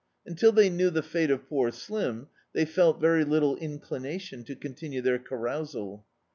Until they knew the fate of poor Slim they felt very little inclination to continue their carousal.